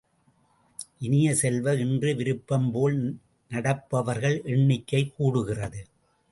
இனிய செல்வ, இன்று விருப்பம்போல் நடப்பவர்கள் எண்ணிக்கை கூடுகிறது.